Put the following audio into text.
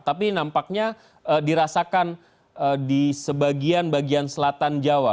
tapi nampaknya dirasakan di sebagian bagian selatan jawa